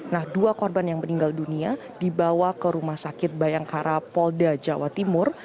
nah dua korban yang meninggal dunia dibawa ke rumah sakit bayangkara polda jawa timur